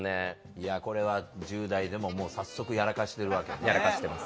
いやこれは１０代でももう早速やらかしてるわけね。